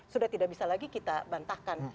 sudah tidak bisa lagi kita bantahkan